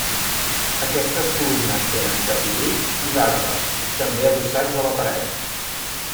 Aquestes columnes tenen capitells i basa, també adossats a la paret.